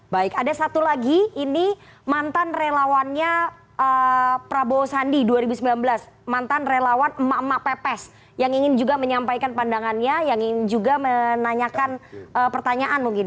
baik ada satu lagi ini mantan relawannya prabowo sandi dua ribu sembilan belas mantan relawan emak emak pepes yang ingin juga menyampaikan pandangannya yang ingin juga menanyakan pertanyaan mungkin